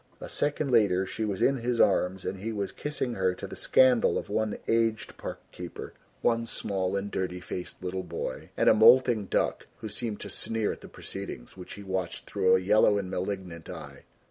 A second later she was in his arms and he was kissing her to the scandal of one aged park keeper, one small and dirty faced little boy and a moulting duck who seemed to sneer at the proceedings which he watched through a yellow and malignant eye.